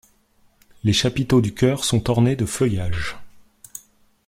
Les chapiteaux du chœur sont ornés de feuillages.